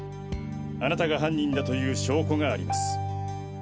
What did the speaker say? あなたが犯人だという証拠があります。